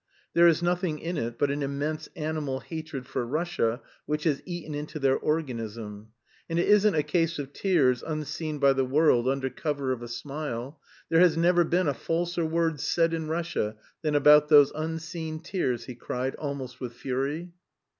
There is nothing in it but an immense animal hatred for Russia which has eaten into their organism.... And it isn't a case of tears unseen by the world under cover of a smile! There has never been a falser word said in Russia than about those unseen tears," he cried, almost with fury.